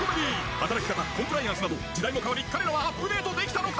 働き方コンプライアンスなど時代も変わり彼らはアップデートできたのか？